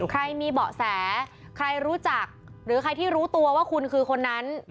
ใครมีเบาะแสใครรู้จักหรือใครที่รู้ตัวว่าคุณคือคนนั้น